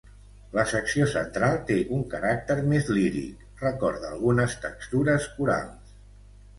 La secció central té un caràcter més líric, recorda algunes textures corals.